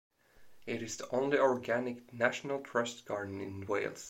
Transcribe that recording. It is the only organic "National Trust" garden in Wales.